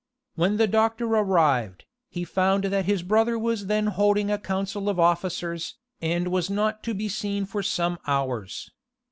When the doctor arrived, he found that his brother was then holding a council of officers, and was not to be seen for some hours.